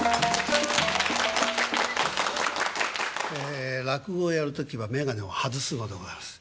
ええ落語をやる時は眼鏡を外すのでございます。